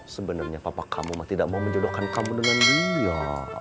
sebenarnya papa kamu tidak mau menjodohkan kamu dengan dia